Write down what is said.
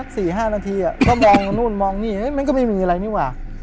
คุณก็มองโน้นมองนี่ยก็มีอะไรนี่ว่ะ